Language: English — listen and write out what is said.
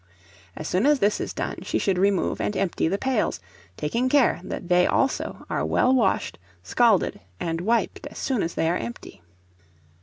As soon as this is done, she should remove and empty the pails, taking care that they also are well washed, scalded, and wiped as soon as they are empty.